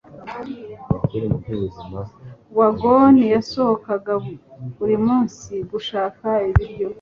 Wagons yasohokaga buri munsi gushaka ibiryo.